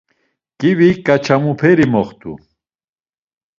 Ǩivi ǩaçamuperi moxt̆u.